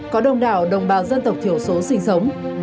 có đông đảo đồng bào dân tộc thiểu số sinh sống